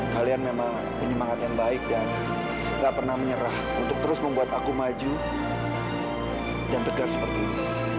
kalian memang menyemangat yang baik dan gak pernah menyerah untuk terus membuat aku maju dan tegar seperti ini